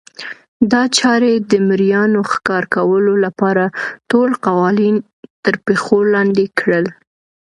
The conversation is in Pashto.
دا چارې د مریانو ښکار کولو لپاره ټول قوانین ترپښو لاندې کړل.